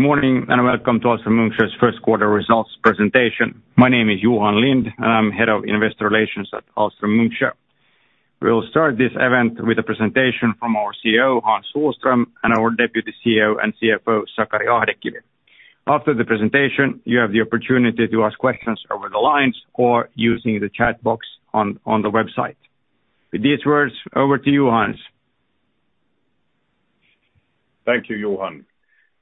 Good morning, and welcome to Ahlstrom-Munksjö's first quarter results presentation. My name is Johan Lindh, and I'm Head of Investor Relations at Ahlstrom-Munksjö. We'll start this event with a presentation from our CEO, Hans Sohlström, and our Deputy CEO and CFO, Sakari Ahdekivi. After the presentation, you have the opportunity to ask questions over the lines or using the chat box on the website. With these words, over to you, Hans. Thank you, Johan.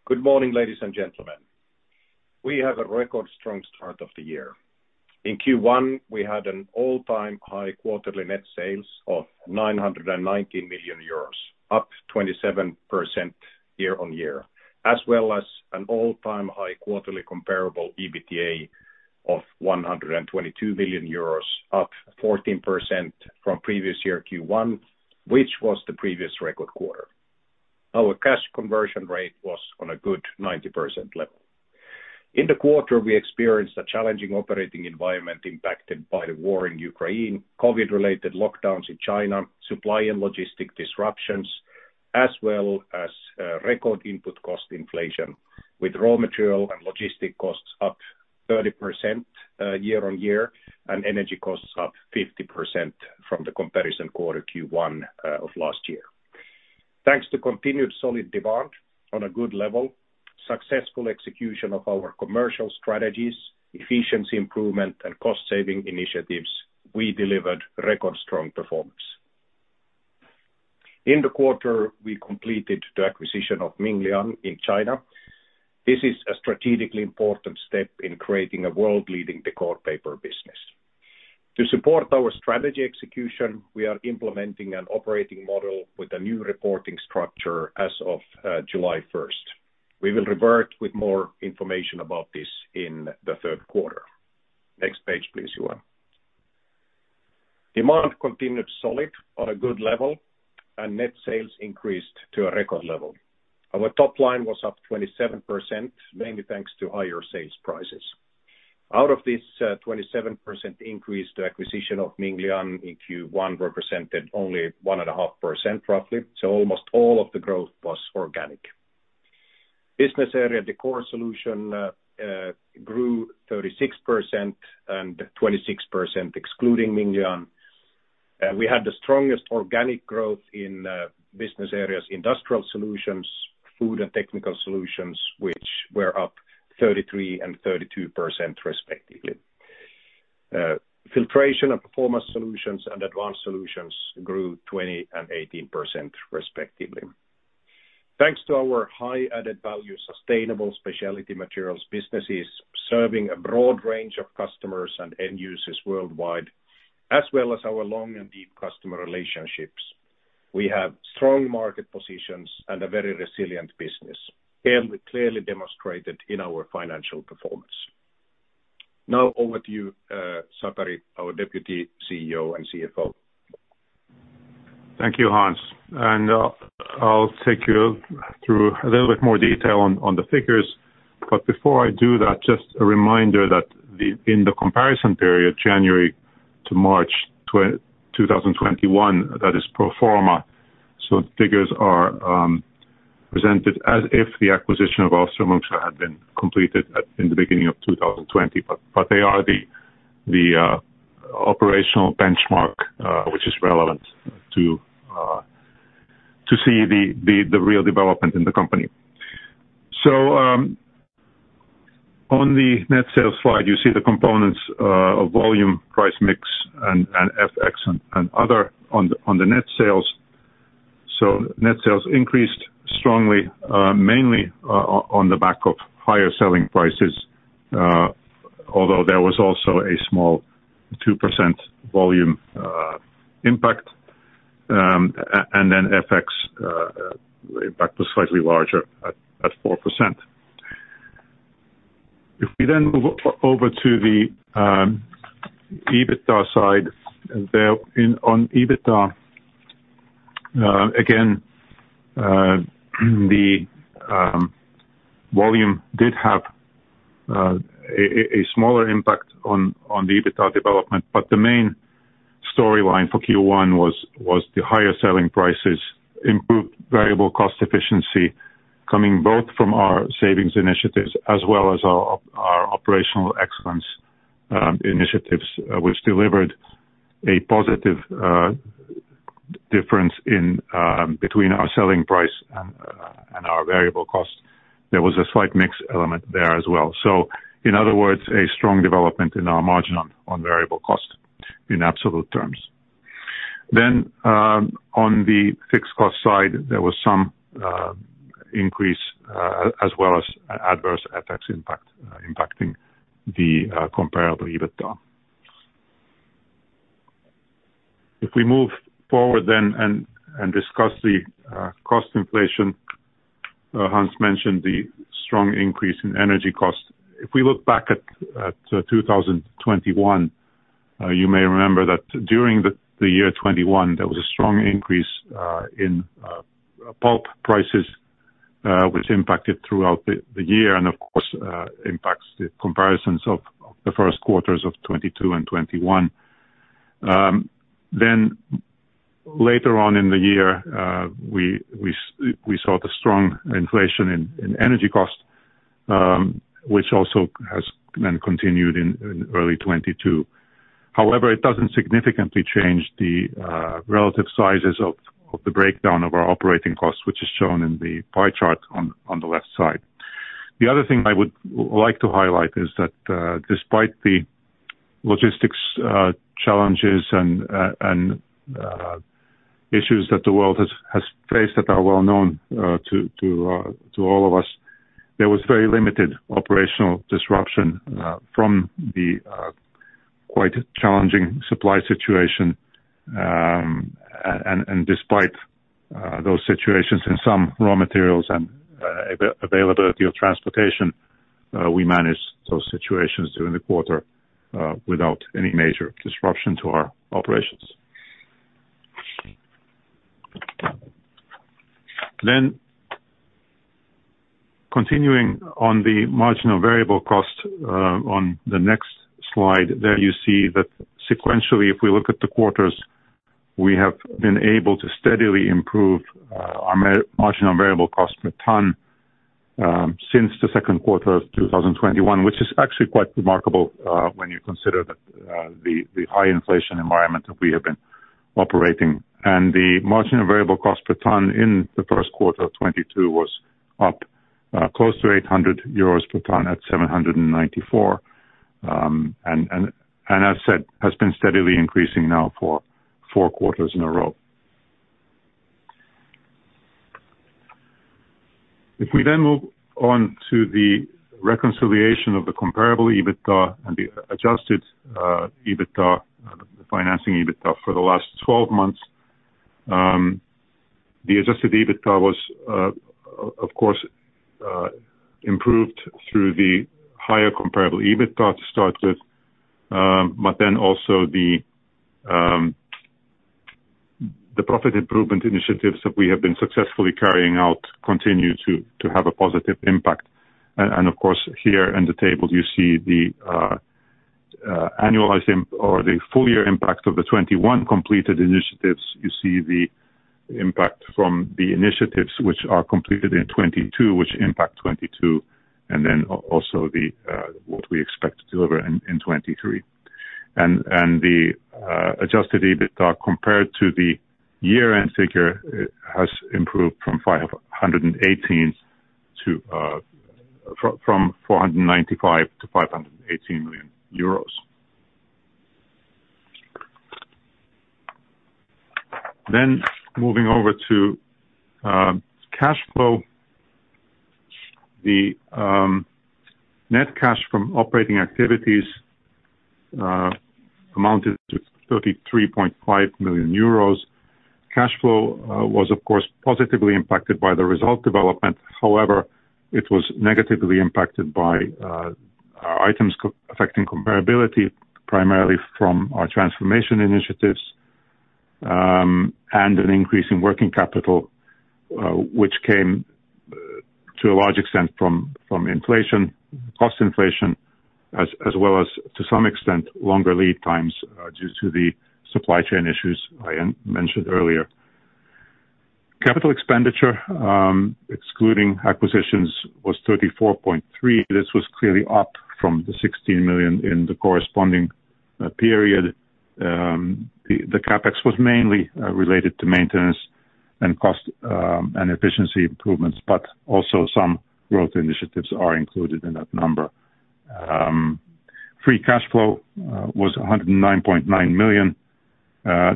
Good morning, ladies and gentlemen. We have a record strong start of the year. In Q1, we had an all-time high quarterly net sales of 990 million euros, up 27% year-on-year, as well as an all-time high quarterly comparable EBITDA of 122 million euros, up 14% from previous year Q1, which was the previous record quarter. Our cash conversion rate was on a good 90% level. In the quarter, we experienced a challenging operating environment impacted by the war in Ukraine, COVID-related lockdowns in China, supply and logistic disruptions, as well as, record input cost inflation, with raw material and logistic costs up 30% year-on-year, and energy costs up 50% from the comparison quarter Q1, of last year. Thanks to continued solid demand on a good level, successful execution of our commercial strategies, efficiency improvement, and cost-saving initiatives, we delivered record strong performance. In the quarter, we completed the acquisition of Minglian in China. This is a strategically important step in creating a world-leading decor paper business. To support our strategy execution, we are implementing an operating model with a new reporting structure as of July first. We will revert with more information about this in the third quarter. Next page, please, Johan. Demand continued solid on a good level, and net sales increased to a record level. Our top line was up 27%, mainly thanks to higher sales prices. Out of this, 27% increase, the acquisition of Minglian in Q1 represented only 1.5%, roughly. Almost all of the growth was organic. Business area Decor Solutions grew 36%, and 26% excluding Minglian. We had the strongest organic growth in business areas Industrial Solutions, Food and Technical Solutions, which were up 33% and 32% respectively. Filtration and Performance Solutions and Advanced Solutions grew 20% and 18% respectively. Thanks to our high added value sustainable specialty materials businesses serving a broad range of customers and end users worldwide, as well as our long and deep customer relationships, we have strong market positions and a very resilient business, clearly demonstrated in our financial performance. Now over to you, Sakari, our Deputy CEO and CFO. Thank you, Hans. I'll take you through a little bit more detail on the figures. Before I do that, just a reminder that in the comparison period, January to March 2021, that is pro forma, so figures are presented as if the acquisition of Ahlstrom-Munksjö had been completed in the beginning of 2020. But they are the operational benchmark, which is relevant to see the real development in the company. On the net sales slide, you see the components of volume, price mix, and FX, and other on the net sales. Net sales increased strongly, mainly on the back of higher selling prices, although there was also a small 2% volume impact, and then FX impact was slightly larger at 4%. If we then move over to the EBITDA side, on EBITDA, again, the volume did have a smaller impact on the EBITDA development. Main storyline for Q1 was the higher selling prices, improved variable cost efficiency coming both from our savings initiatives as well as our operational excellence initiatives, which delivered a positive difference in between our selling price and our variable cost. There was a slight mix element there as well. In other words, a strong development in our margin on variable cost in absolute terms. On the fixed cost side, there was some increase, as well as adverse FX impact, impacting the comparable EBITDA. If we move forward then and discuss the cost inflation, Hans mentioned the strong increase in energy cost. If we look back at 2021, you may remember that during the year 2021, there was a strong increase in pulp prices, which impacted throughout the year and, of course, impacts the comparisons of the first quarters of 2022 and 2021. Later on in the year, we saw the strong inflation in energy costs, which also has then continued in early 2022. However, it doesn't significantly change the relative sizes of the breakdown of our operating costs, which is shown in the pie chart on the left side. The other thing I would like to highlight is that, despite the logistics challenges and issues that the world has faced that are well known to all of us, there was very limited operational disruption from the quite challenging supply situation. Despite those situations in some raw materials and availability of transportation, we managed those situations during the quarter without any major disruption to our operations. Continuing on the marginal variable cost, on the next slide, there you see that sequentially, if we look at the quarters, we have been able to steadily improve our marginal variable cost per ton since the second quarter of 2021, which is actually quite remarkable when you consider that the high inflation environment that we have been operating. The marginal variable cost per ton in the first quarter of 2022 was up close to 800 euros per ton at 794. And as said, has been steadily increasing now for four quarters in a row. If we move on to the reconciliation of the comparable EBITDA and the adjusted EBITDA, the financing EBITDA for the last 12 months, the adjusted EBITDA was, of course, improved through the higher comparable EBITDA to start with, but then also the profit improvement initiatives that we have been successfully carrying out continue to have a positive impact. Of course, here in the table, you see the annualized impact or the full year impact of the 21 completed initiatives. You see the impact from the initiatives which are completed in 2022, which impact 2022, and then also what we expect to deliver in 2023. Adjusted EBITDA compared to the year-end figure has improved from 495 million to 518 million euros. Moving over to cash flow. The net cash from operating activities amounted to 33.5 million euros. Cash flow was of course positively impacted by the result development. However, it was negatively impacted by our items affecting comparability, primarily from our transformation initiatives, and an increase in working capital, which came to a large extent from inflation, cost inflation, as well as to some extent, longer lead times, due to the supply chain issues I mentioned earlier. Capital expenditure excluding acquisitions was 34.3 million. This was clearly up from the 16 million in the corresponding period. The CapEx was mainly related to maintenance and cost, and efficiency improvements, but also some growth initiatives are included in that number. Free cash flow was 109.9 million.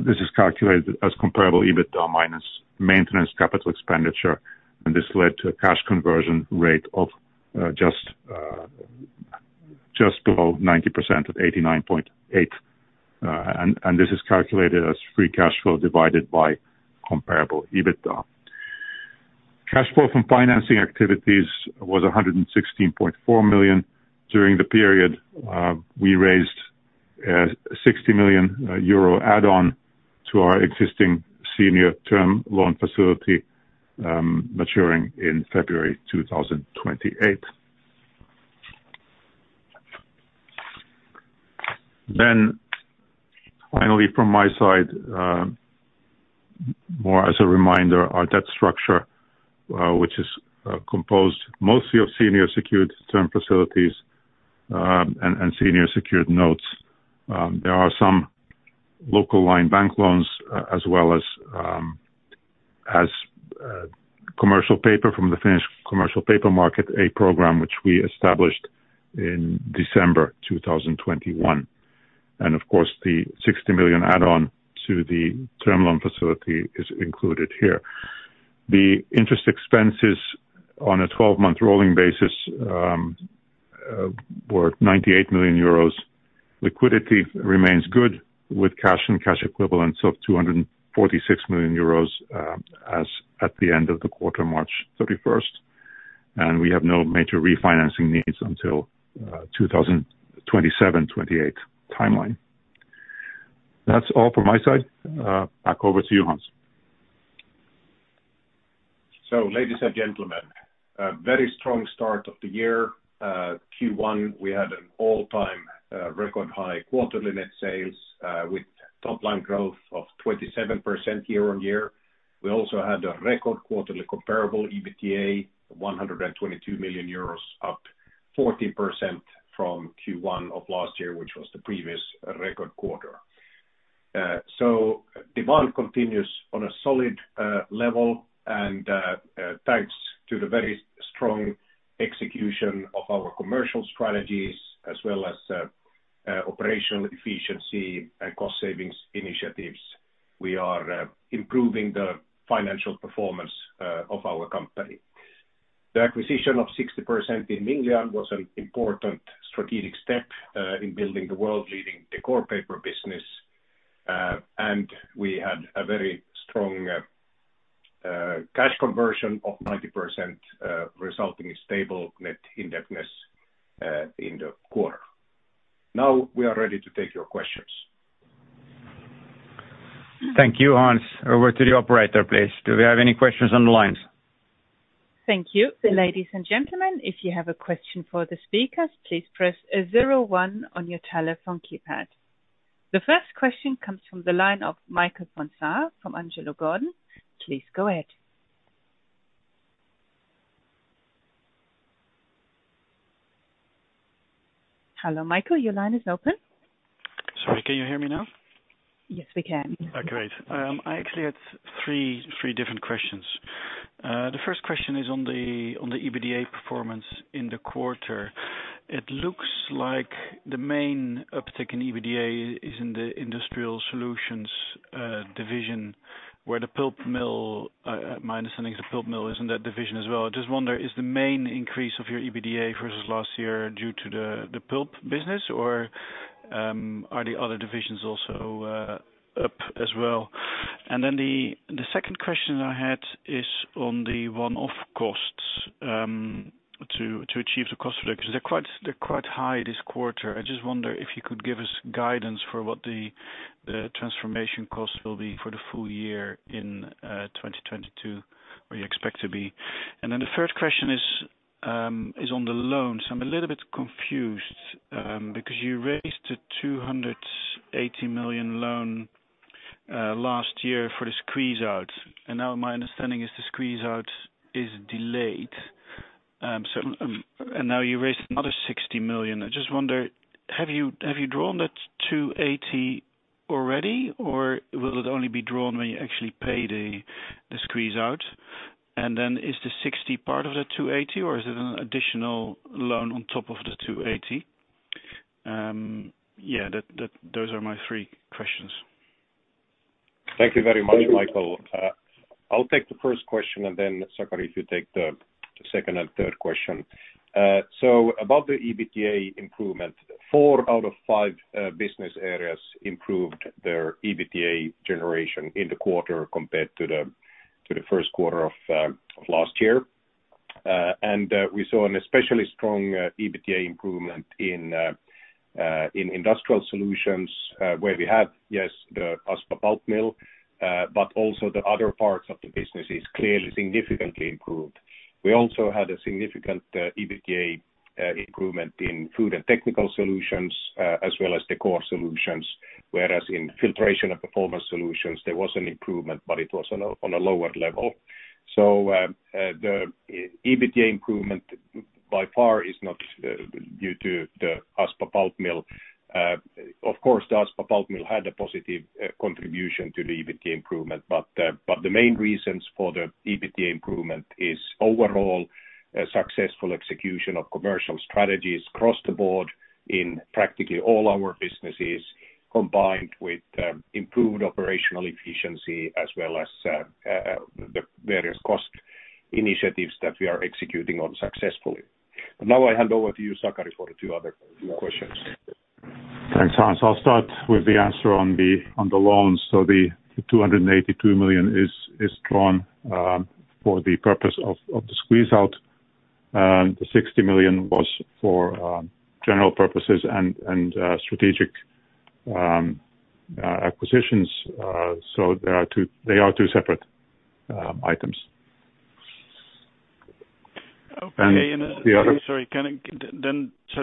This is calculated as comparable EBITDA minus maintenance capital expenditure, and this led to a cash conversion rate of just below 90% at 89.8%. This is calculated as free cash flow divided by comparable EBITDA. Cash flow from financing activities was 116.4 million. During the period, we raised a 60 million euro add-on to our existing senior term loan facility, maturing in February 2028. Finally, from my side, more as a reminder, our debt structure, which is composed mostly of senior secured term facilities, and senior secured notes. There are some local line bank loans as well as commercial paper from the Finnish commercial paper market, a program which we established in December 2021. Of course, the 60 million add-on to the term loan facility is included here. The interest expenses on a 12-month rolling basis were 98 million euros. Liquidity remains good with cash and cash equivalents of 246 million euros, as at the end of the quarter, March 31. We have no major refinancing needs until 2027, 2028 timeline. That's all from my side. Back over to you, Hans. Ladies and gentlemen, a very strong start of the year. Q1, we had an all-time record high quarterly net sales with top line growth of 27% year-on-year. We also had a record quarterly comparable EBITDA, 122 million euros, up 40% from Q1 of last year, which was the previous record quarter. Demand continues on a solid level and thanks to the very strong execution of our commercial strategies as well as operational efficiency and cost savings initiatives, we are improving the financial performance of our company. The acquisition of 60% in Minglian was an important strategic step in building the world-leading decor paper business. We had a very strong cash conversion of 90%, resulting in stable net indebtedness in the quarter. Now we are ready to take your questions. Thank you, Hans. Over to the operator, please. Do we have any questions on the lines? Thank you. Ladies and gentlemen, if you have a question for the speakers, please press zero one on your telephone keypad. The first question comes from the line of Michael Ponsar from Angelo Gordon. Please go ahead. Hello, Michael, your line is open. Sorry. Can you hear me now? Yes, we can. Oh, great. I actually had three different questions. The first question is on the EBITDA performance in the quarter. It looks like the main uptick in EBITDA is in the Industrial Solutions division, where the pulp mill, my understanding is the pulp mill is in that division as well. I just wonder, is the main increase of your EBITDA versus last year due to the pulp business or, are the other divisions also up as well? The second question I had is on the one-off costs to achieve the cost reduction. They're quite high this quarter. I just wonder if you could give us guidance for what the transformation costs will be for the full year in 2022, or you expect to be. The third question is on the loans. I'm a little bit confused because you raised a 280 million loan last year for the squeeze-out. Now my understanding is the squeeze-out is delayed. Now you raised another 60 million. I just wonder, have you drawn that 280 already, or will it only be drawn when you actually pay the squeeze-out? Is the 60 part of the 280 or is it an additional loan on top of the 280? Yeah. Those are my three questions. Thank you very much, Michael. I'll take the first question, and then Sakari, if you take the second and third question. About the EBITDA improvement, four out of five business areas improved their EBITDA generation in the quarter compared to the first quarter of last year. We saw an especially strong EBITDA improvement in Industrial Solutions, where we have, yes, the Aspa pulp mill, but also the other parts of the business is clearly significantly improved. We also had a significant EBITDA improvement in Food and Technical Solutions, as well as Decor Solutions, whereas in Filtration and Performance Solutions, there was an improvement, but it was on a lower level. The EBITDA improvement by far is not due to the Aspa pulp mill. Of course, the Aspa pulp mill had a positive contribution to the EBITDA improvement. The main reasons for the EBITDA improvement is overall a successful execution of commercial strategies across the board in practically all our businesses, combined with improved operational efficiency as well as the various cost initiatives that we are executing on successfully. Now, I hand over to you, Sakari, for the two other questions. Thanks, Hans. I'll start with the answer on the loans. The 282 million is drawn for the purpose of the squeeze-out. The 60 million was for general purposes and strategic acquisitions. There are two. They are two separate items. Okay. And the other-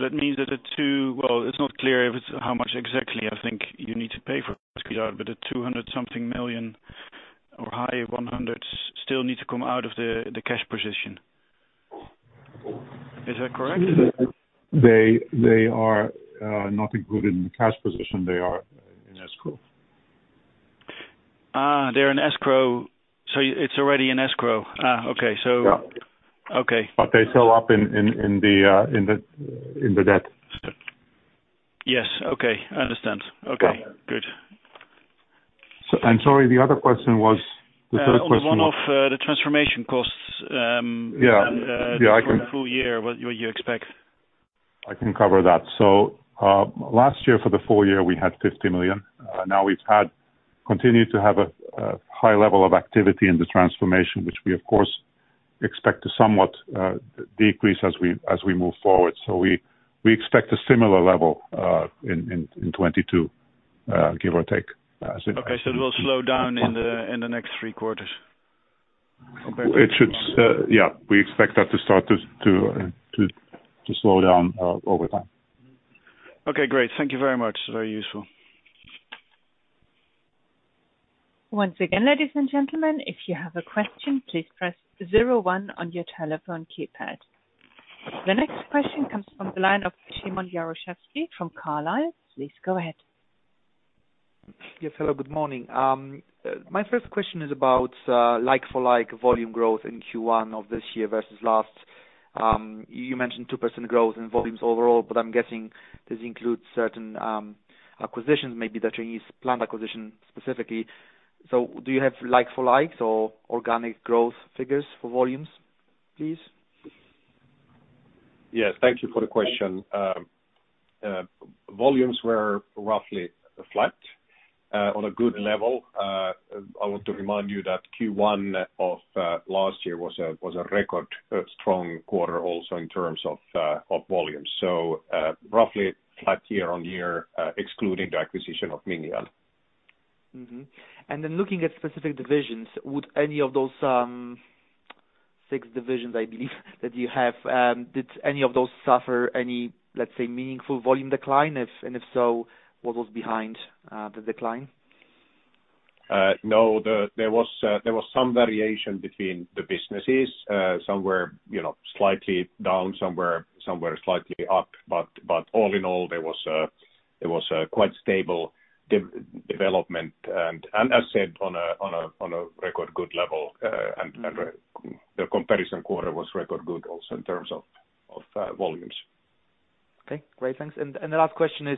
That means, well, it's not clear if it's how much exactly I think you need to pay for the squeeze-out, but the 200-something million or high 100s still need to come out of the cash position. Is that correct? They are not included in the cash position. They are in escrow. They're in escrow. It's already in escrow. Okay. Yeah. Okay. They show up in the debt. Yes. Okay, I understand. Okay, good. I'm sorry, the other question was? The third question was. On the one-off transformation costs Yeah. Yeah, I can. For the full year, what you expect. I can cover that. Last year for the full year, we had 50 million. Now we've had continued to have a high level of activity in the transformation, which we of course expect to somewhat decrease as we move forward. We expect a similar level in 2022. Give or take Okay. It will slow down in the next three quarters? Yeah, we expect that to start to slow down over time. Okay, great. Thank you very much. Very useful. Once again, ladies and gentlemen, if you have a question, please press zero-one on your telephone keypad. The next question comes from the line of Simon Yaroshevsky from Carlyle. Please go ahead. Yes, hello, good morning. My first question is about like for like volume growth in Q1 of this year versus last. You mentioned 2% growth in volumes overall, but I'm guessing this includes certain acquisitions, maybe the Chinese plant acquisition specifically. Do you have like for likes or organic growth figures for volumes, please? Yes. Thank you for the question. Volumes were roughly flat on a good level. I want to remind you that Q1 of last year was a record strong quarter also in terms of volume. Roughly flat year on year, excluding the acquisition of Minglian. Mm-hmm. Looking at specific divisions, would any of those six divisions, I believe that you have, did any of those suffer any, let's say, meaningful volume decline? If and if so, what was behind the decline? No. There was some variation between the businesses. Some were, you know, slightly down. Some were slightly up. All in all, there was a quite stable development. As said, on a record good level. The comparison quarter was record good also in terms of volumes. Okay, great. Thanks. The last question is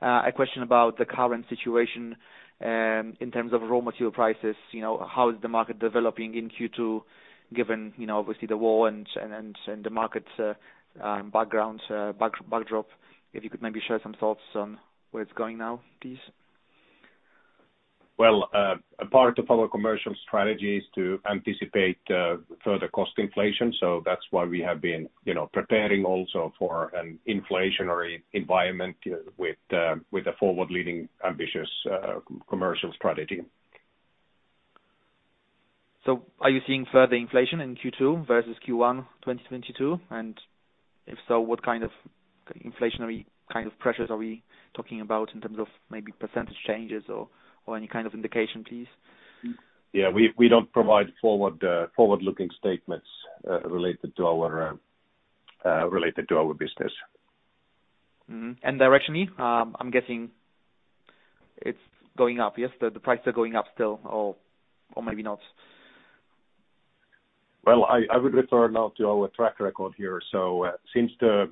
a question about the current situation in terms of raw material prices. You know, how is the market developing in Q2 given, you know, obviously the war and the market backdrop? If you could maybe share some thoughts on where it's going now, please. Well, a part of our commercial strategy is to anticipate further cost inflation. That's why we have been, you know, preparing also for an inflationary environment with a forward-leading ambitious commercial strategy. Are you seeing further inflation in Q2 versus Q1, 2022? If so, what kind of inflationary kind of pressures are we talking about in terms of maybe percentage changes or any kind of indication, please? Yeah. We don't provide forward-looking statements related to our business. Mm-hmm. Directionally, I'm guessing it's going up. Yes. The prices are going up still or maybe not. Well, I would refer now to our track record here. Since the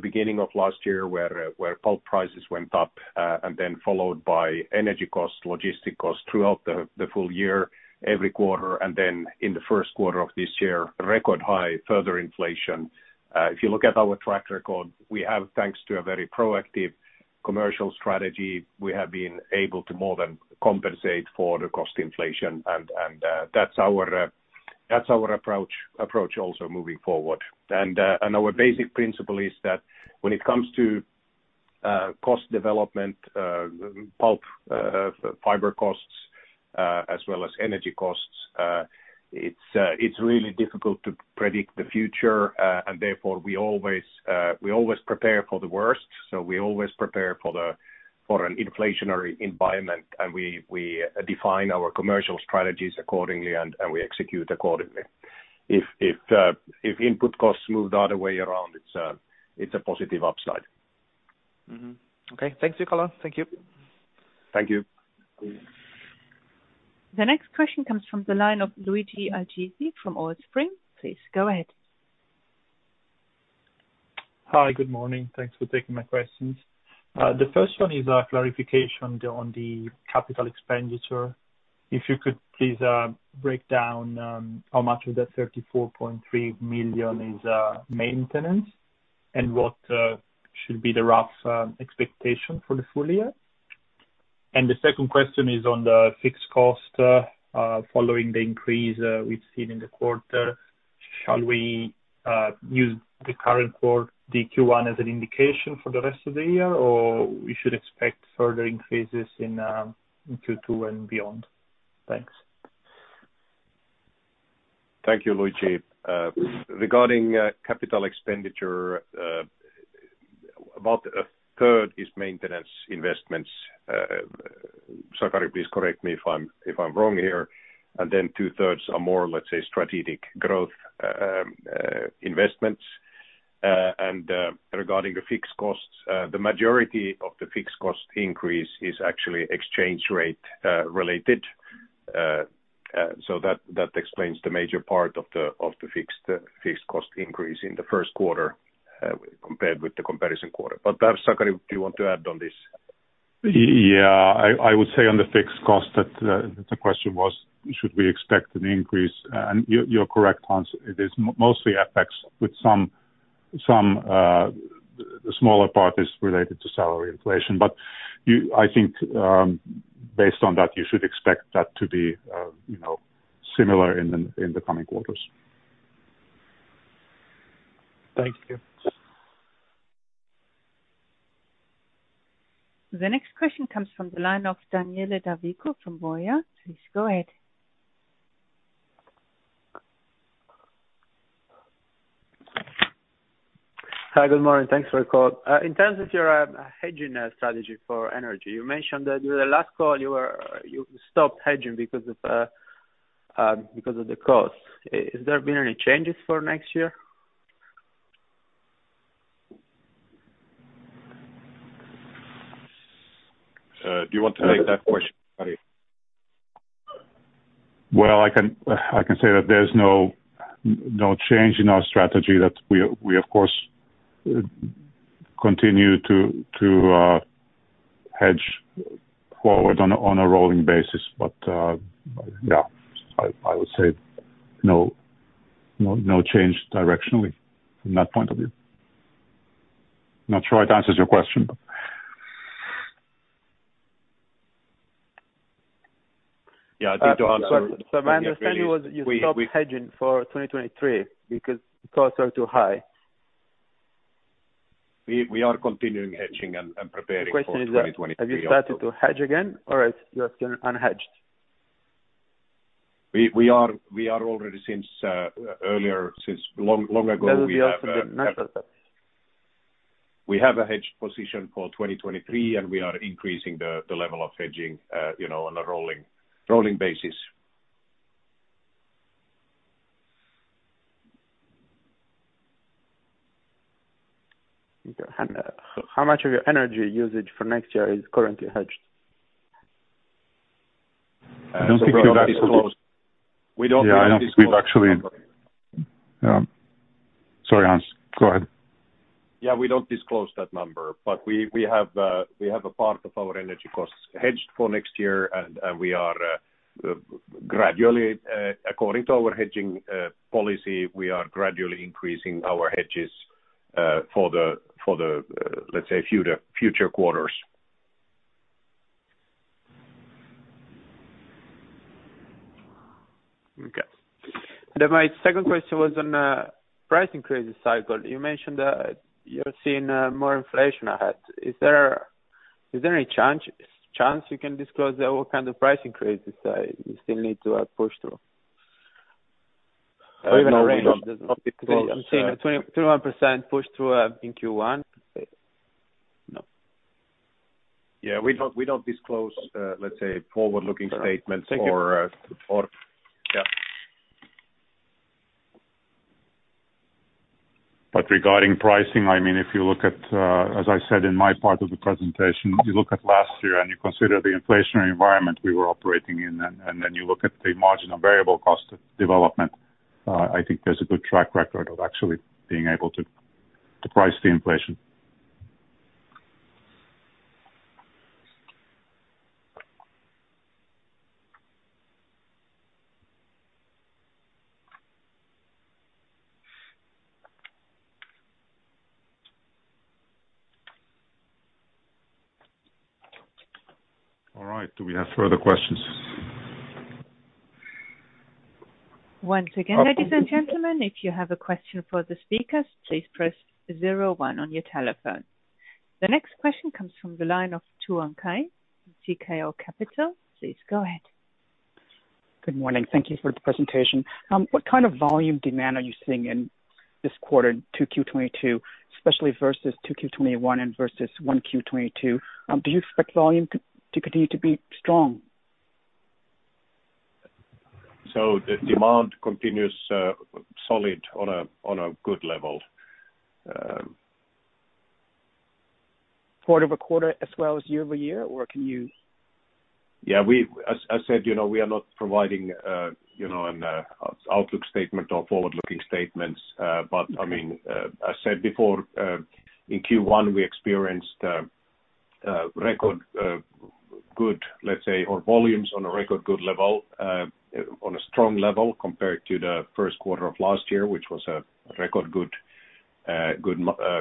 beginning of last year where pulp prices went up, and then followed by energy costs, logistic costs throughout the full year every quarter, and then in the first quarter of this year, record high further inflation. If you look at our track record, we have, thanks to a very proactive commercial strategy, we have been able to more than compensate for the cost inflation. That's our approach also moving forward. Our basic principle is that when it comes to cost development, pulp, fiber costs, as well as energy costs, it's really difficult to predict the future. Therefore, we always prepare for the worst. We always prepare for an inflationary environment. We define our commercial strategies accordingly, and we execute accordingly. If input costs move the other way around, it's a positive upside. Okay. Thanks, Hans. Thank you. Thank you. The next question comes from the line of Luigi Iges from Old Spring. Please go ahead. Hi, good morning. Thanks for taking my questions. The first one is a clarification on the capital expenditure. If you could please break down how much of the 34.3 million is maintenance and what should be the rough expectation for the full year? The second question is on the fixed cost following the increase we've seen in the quarter. Shall we use the current quarter, the Q1 as an indication for the rest of the year, or we should expect further increases in Q2 and beyond? Thanks. Thank you, Luigi. Regarding capital expenditure, about a third is maintenance investments. Sakari, please correct me if I'm wrong here. Then two thirds are more, let's say, strategic growth investments. Regarding the fixed costs, the majority of the fixed cost increase is actually exchange rate related. So that explains the major part of the fixed cost increase in the first quarter compared with the comparison quarter. Sakari, do you want to add on this? Yeah. I would say on the fixed cost that the question was should we expect an increase? You, you're correct, Hans, it is mostly FX with some the smaller part is related to salary inflation. But you, I think, based on that, you should expect that to be, you know, similar in the coming quarters. Thank you. The next question comes from the line of Daniele Davico from BofA. Please go ahead. Hi. Good morning. Thanks for the call. In terms of your hedging strategy for energy, you mentioned that during the last call you were, you stopped hedging because of the cost. Is there been any changes for next year? Do you want to take that question, Ari? Well, I can say that there's no change in our strategy that we of course continue to hedge forward on a rolling basis. Yeah, I would say no change directionally from that point of view. Not sure it answers your question, but. Yeah, to answer. My understanding was you stopped hedging for 2023 because costs are too high. We are continuing hedging and preparing for 2023 also. The question is that have you started to hedge again or you're still unhedged? We are already since long ago, we have- That would be also good. We have a hedged position for 2023, and we are increasing the level of hedging, you know, on a rolling basis. Okay. How much of your energy usage for next year is currently hedged? I don't think we've actually. We don't disclose. Sorry, Hans, go ahead. Yeah, we don't disclose that number. We have a part of our energy costs hedged for next year. According to our hedging policy, we are gradually increasing our hedges for the, let's say, future quarters. Okay. My second question was on price increase cycle. You mentioned that you're seeing more inflation ahead. Is there any chance you can disclose what kind of price increase you still need to push through? We don't disclose. 20%-21% push through in Q1? No. Yeah, we don't disclose, let's say, forward-looking statements. Yeah. Regarding pricing, I mean, if you look at, as I said in my part of the presentation, if you look at last year and you consider the inflationary environment we were operating in, and then you look at the marginal variable cost of development, I think there's a good track record of actually being able to price the inflation. All right. Do we have further questions? Once again, ladies and gentlemen, if you have a question for the speakers, please press zero one on your telephone. The next question comes from the line of Tuan Kai, CKO Capital. Please go ahead. Good morning. Thank you for the presentation. What kind of volume demand are you seeing in this quarter, 2Q 2022, especially versus 2Q 2021 and versus 1Q 2022? Do you expect volume to continue to be strong? The demand continues solid on a good level. Quarter-over-quarter as well as year-over-year, or can you? Yeah. As said, you know, we are not providing, you know, an outlook statement or forward-looking statements. Okay. I mean, I said before, in Q1, we experienced record good, let's say, volumes on a record good level, on a strong level compared to the first quarter of last year, which was a record good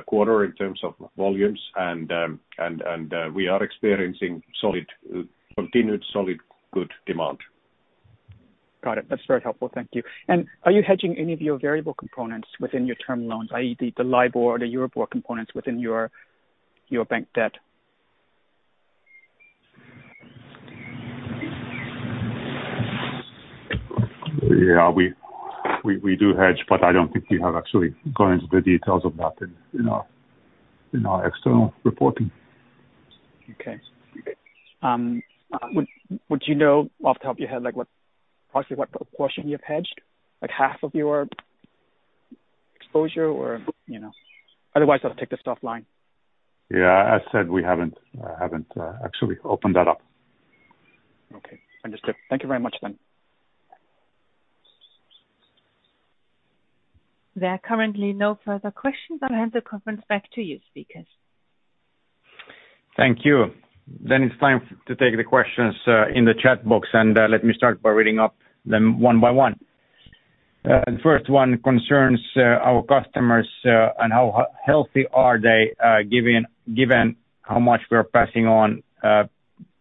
quarter in terms of volumes. We are experiencing solid, continued good demand. Got it. That's very helpful. Thank you. Are you hedging any of your variable components within your term loans, i.e., the LIBOR or the EURIBOR components within your bank debt? Yeah. We do hedge, but I don't think we have actually gone into the details of that in our external reporting. Okay. Would you know off the top of your head, like what approximately portion you have hedged? Like half of your exposure or, you know. Otherwise I'll take this offline. Yeah. I said we haven't actually opened that up. Okay. Understood. Thank you very much then. There are currently no further questions. I'll hand the conference back to you speakers. Thank you. It's time to take the questions in the chat box. Let me start by reading up them one by one. The first one concerns our customers and how healthy are they, given how much we're passing on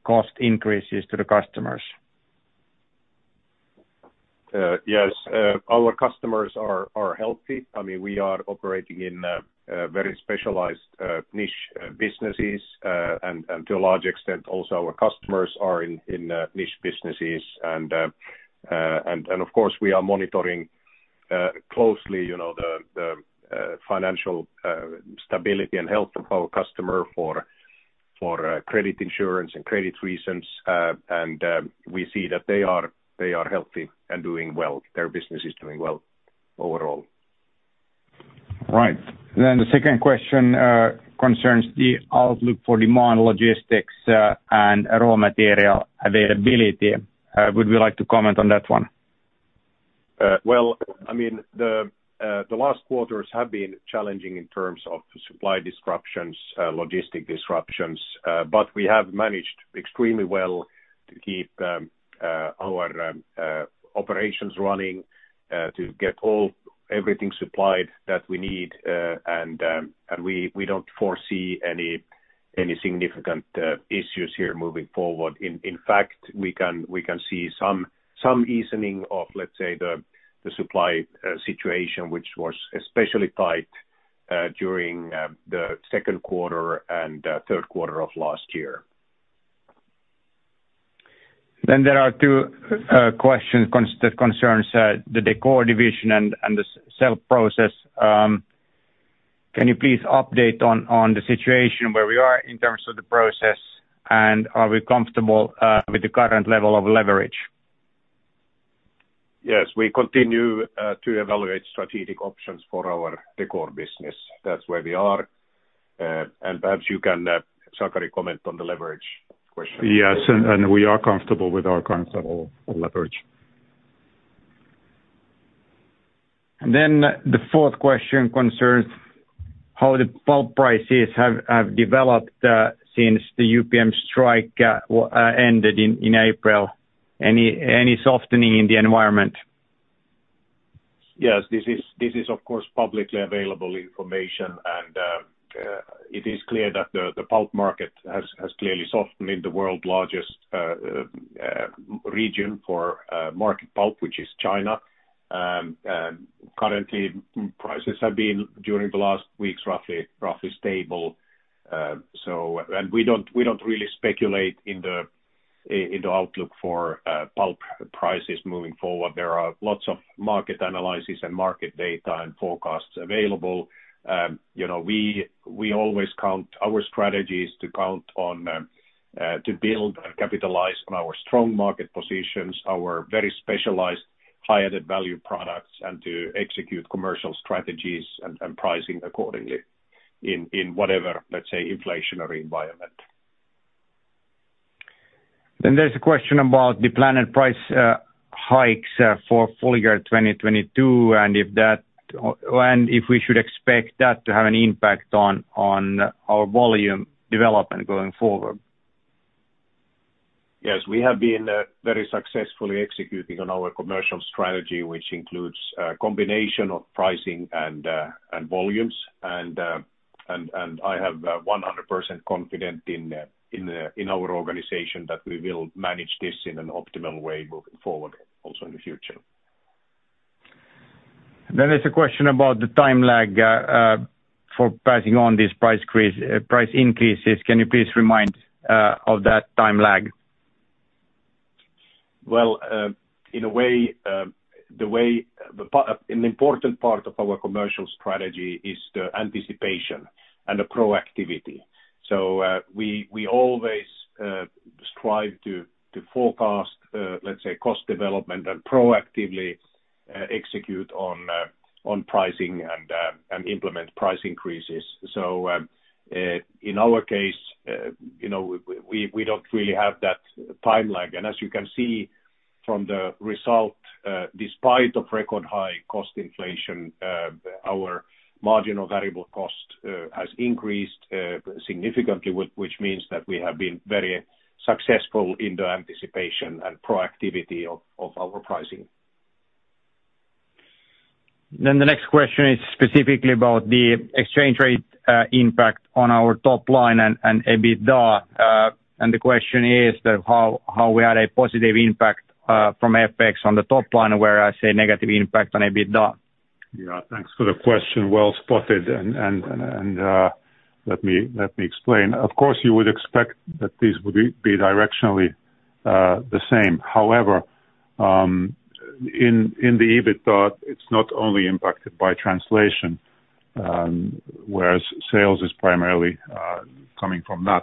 cost increases to the customers. Yes. Our customers are healthy. I mean, we are operating in a very specialized niche businesses and to a large extent also our customers are in niche businesses. Of course, we are monitoring closely, you know, the financial stability and health of our customer for credit insurance and credit reasons. We see that they are healthy and doing well. Their business is doing well overall. Right. The second question concerns the outlook for demand logistics, and raw material availability. Would you like to comment on that one? Well, I mean, the last quarters have been challenging in terms of supply disruptions, logistics disruptions. But we have managed extremely well to keep our operations running, to get everything supplied that we need. We don't foresee any significant issues here moving forward. In fact, we can see some easing of, let's say, the supply situation, which was especially tight during the second quarter and third quarter of last year. There are two questions that concerns the Decor division and the sale process. Can you please update on the situation where we are in terms of the process, and are we comfortable with the current level of leverage? Yes, we continue to evaluate strategic options for our Decor business. That's where we are. Perhaps you can, Sakari, comment on the leverage question. Yes. We are comfortable with our current level of leverage. Then the fourth question concerns how the pulp prices have developed since the UPM strike ended in April. Any softening in the environment? Yes. This is, of course, publicly available information. It is clear that the pulp market has clearly softened in the world's largest region for market pulp, which is China. Currently, prices have been, during the last weeks, roughly stable. We don't really speculate in the outlook for pulp prices moving forward. There are lots of market analysis and market data and forecasts available. You know, we always count on our strategies to build and capitalize on our strong market positions, our very specialized high added value products, and to execute commercial strategies and pricing accordingly in whatever, let's say, inflationary environment. There's a question about the planned price hikes for full year 2022, and if we should expect that to have an impact on our volume development going forward. Yes, we have been very successfully executing on our commercial strategy, which includes a combination of pricing and volumes. I have 100% confident in our organization that we will manage this in an optimal way moving forward, also in the future. There's a question about the time lag for passing on these price increases. Can you please remind of that time lag? In a way, an important part of our commercial strategy is the anticipation and the proactivity. We always strive to forecast, let's say, cost development and proactively execute on pricing and implement price increases. In our case, you know, we don't really have that time lag. As you can see from the result, despite record high cost inflation, our margin over variable cost has increased significantly, which means that we have been very successful in the anticipation and proactivity of our pricing. The next question is specifically about the exchange rate impact on our top line and EBITDA. And the question is that how we had a positive impact from FX on the top line, whereas a negative impact on EBITDA. Yeah. Thanks for the question. Well spotted. Let me explain. Of course, you would expect that this would be directionally the same. However, in the EBITDA, it's not only impacted by translation, whereas sales is primarily coming from that.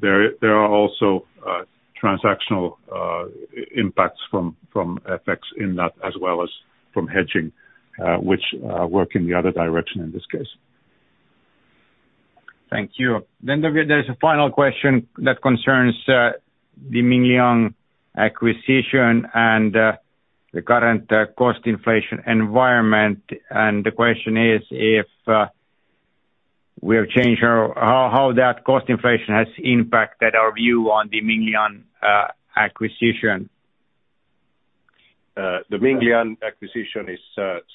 There are also transactional impact from FX in that as well as from hedging, which work in the other direction in this case. Thank you. There's a final question that concerns the Minglian acquisition and the current cost inflation environment. The question is how that cost inflation has impacted our view on the Minglian acquisition. The Minglian acquisition is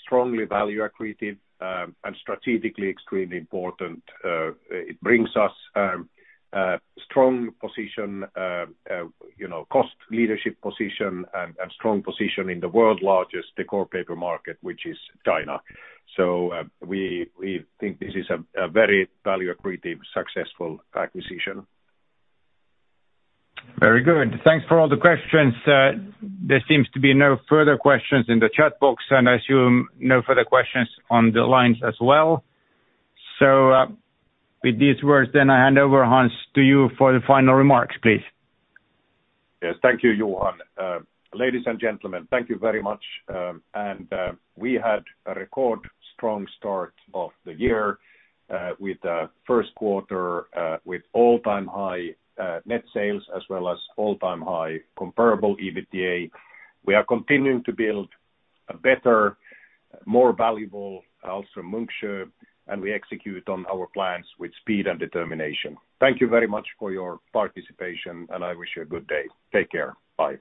strongly value accretive and strategically extremely important. It brings us strong position, you know, cost leadership position and strong position in the world's largest decor paper market, which is China. We think this is a very value accretive, successful acquisition. Very good. Thanks for all the questions. There seems to be no further questions in the chat box, and I assume no further questions on the lines as well. With these words then I hand over, Hans, to you for the final remarks, please. Yes. Thank you, Johan. Ladies and gentlemen, thank you very much. We had a record strong start of the year with first quarter with all-time high net sales, as well as all-time high comparable EBITDA. We are continuing to build a better, more valuable Ahlstrom-Munksjö, and we execute on our plans with speed and determination. Thank you very much for your participation, and I wish you a good day. Take care. Bye.